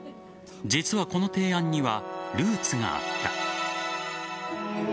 実は、この提案にはルーツがあった。